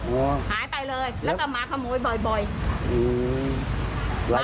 โอ้โหหายไปเลยแล้วก็มาขโมยบ่อยบ่อยอืม